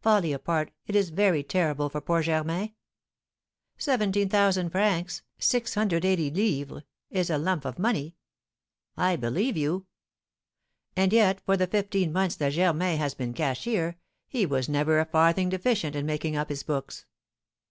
"Folly apart, it is very terrible for poor Germain." "Seventeen thousand francs (680_l._) is a lump of money!" "I believe you!" "And yet, for the fifteen months that Germain has been cashier, he was never a farthing deficient in making up his books."